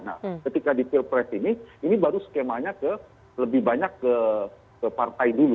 nah ketika di pilpres ini ini baru skemanya ke lebih banyak ke partai dulu